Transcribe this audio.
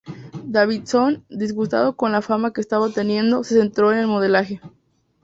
Davidson, disgustado con la fama que estaba obteniendo, se centró en el modelaje.